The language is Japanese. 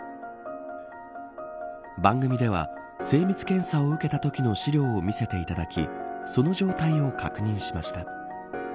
番組では精密検査を受けたときの資料を見せていただきその状態を確認しました。